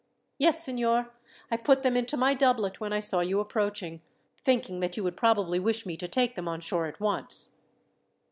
"Yes, signor. I put them into my doublet when I saw you approaching, thinking that you would probably wish me to take them on shore at once."